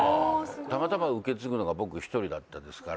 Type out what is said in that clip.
たまたま受け継ぐのが僕１人だったですから。